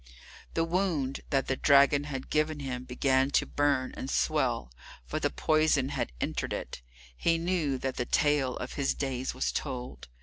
The wound that the dragon had given him began to burn and swell, for the poison had entered it. He knew that the tale of his days was told.